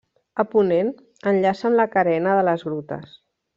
A ponent, enllaça amb la Carena de les Grutes.